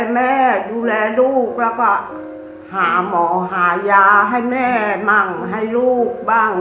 แม่ดูแลลูกแล้วก็หาหมอหายาให้แม่มั่งให้ลูกบ้าง